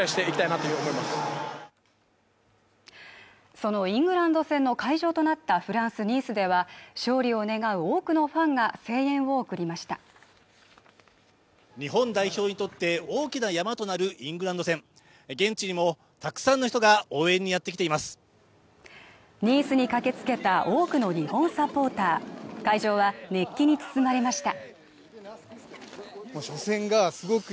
そのイングランド戦の会場となったフランス・ニースでは勝利を願う多くのファンが声援を送りました日本代表にとって大きな山となるイングランド戦現地にもたくさんの人が応援にやって来ていますニースに駆けつけた多くの日本サポーター会場は熱気に包まれました